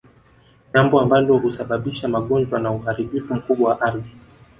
Jambo ambalo husababisha magonjwa na uharibifu mkubwa wa ardhi